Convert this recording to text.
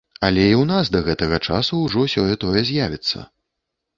Але і ў нас да гэтага часу ўжо сёе-тое з'явіцца.